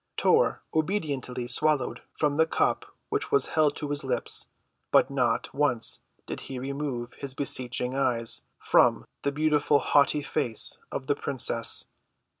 Tor obediently swallowed from the cup which was held to his lips; but not once did he remove his beseeching eyes from the beautiful haughty face of the princess.